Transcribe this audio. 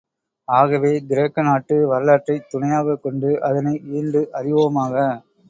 ஆகவே, கிரேக்க நாட்டு வரலாற்றைத் துணையாகக் கொண்டு, அதனை ஈண்டு அறிவோமாக.